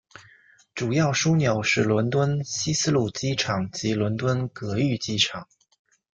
主要枢纽是伦敦希斯路机场及伦敦格域机场。